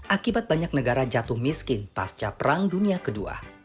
akibat banyak negara jatuh miskin pasca perang dunia ii